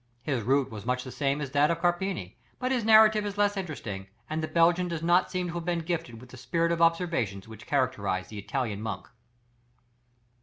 His route was much the same as that of Carpini, but his narrative is less interesting, and the Belgian does not seem to have been gifted with the spirit of observation which characterized the Italian monk.